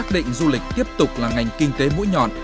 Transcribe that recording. định du lịch tiếp tục là ngành kinh tế mũi nhọn